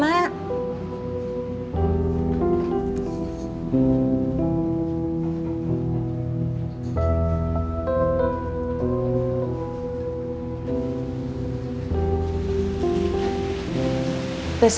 saya aja yang nemenin tesarena